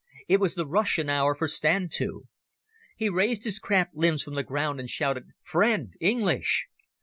It was the Russian hour for stand to. He raised his cramped limbs from the ground and shouted "Friend! English!"